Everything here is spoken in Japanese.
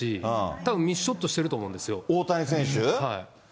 たぶん、ミスショットしてると思大谷選手？